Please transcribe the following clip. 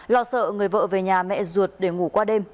lo sợ người vợ về nhà mẹ ruột để ngủ qua đêm